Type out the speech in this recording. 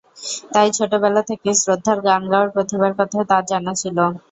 তাই ছোটবেলা থেকেই শ্রদ্ধার গান গাওয়ার প্রতিভার কথা তাঁর জানা ছিল।